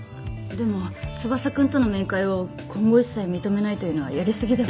でも翼くんとの面会を今後一切認めないというのはやりすぎでは？